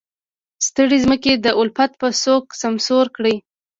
ستړې ځمکې د الفت به څوک سمسورې کړي.